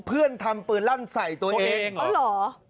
เพื่อนทำปืนลั่นใส่ตัวเอง